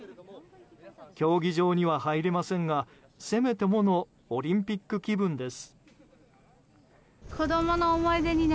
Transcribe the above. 競技場には入れませんがせめてものオリンピック気分です。